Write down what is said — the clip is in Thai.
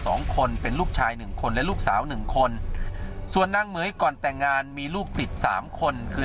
สองคนเป็นลูกชายหนึ่งคนและลูกสาวหนึ่งคนส่วนนางเหม๋ยก่อนแต่งงานมีลูกติดสามคนคือ